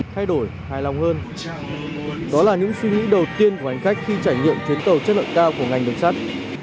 thay đổi hài lòng hơn đó là những suy nghĩ đầu tiên của hành khách khi trải nghiệm chuyến tàu chất lượng cao của ngành đường sắt